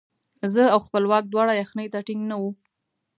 زه او خپلواک دواړه یخنۍ ته ټینګ نه وو.